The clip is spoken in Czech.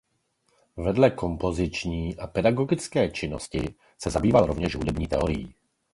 Vedle kompoziční a pedagogické činnosti se zabýval rovněž hudební teorií.